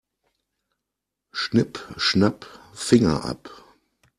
Schnipp-schnapp, Finger ab.